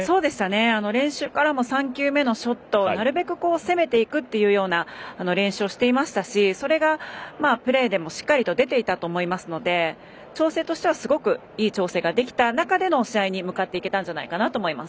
練習からも３球目のショットをなるべく攻めていくというような練習をしていましたしそれがプレーでもしっかりと出ていたと思いますので調整としてはすごくいい調整ができた中での試合に向かっていけたんじゃないかと思います。